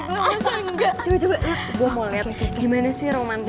sampai dihukum kayak gitu